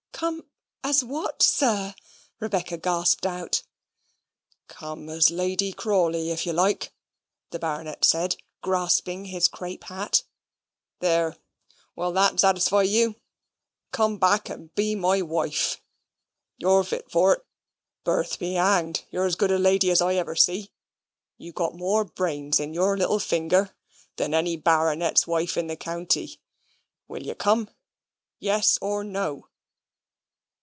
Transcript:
"Come as what, sir?" Rebecca gasped out. "Come as Lady Crawley, if you like," the Baronet said, grasping his crape hat. "There! will that zatusfy you? Come back and be my wife. Your vit vor't. Birth be hanged. You're as good a lady as ever I see. You've got more brains in your little vinger than any baronet's wife in the county. Will you come? Yes or no?"